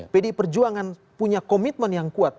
pdi perjuangan punya komitmen yang kuat